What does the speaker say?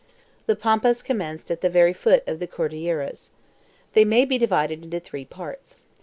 The Pampas commenced at the very foot of the Cordilleras. They may be divided into three parts.